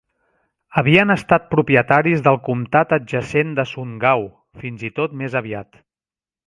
Havien estat propietaris del comtat adjacent de Sundgau, fins i tot més aviat.